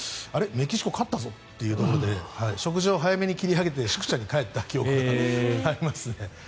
メキシコ勝ったぞというところで食事を早めに切り上げて宿舎に帰った記憶がありますね。